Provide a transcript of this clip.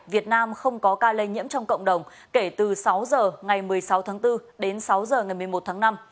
việt nam không có ca lây nhiễm trong cộng đồng kể từ sáu h ngày một mươi sáu tháng bốn đến sáu h ngày một mươi một tháng năm